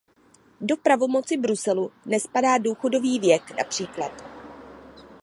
Do pravomoci Bruselu nespadá důchodový věk, například.